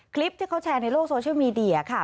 คลิปที่เขาแชร์ในโลกโซเชียลมีเดียค่ะ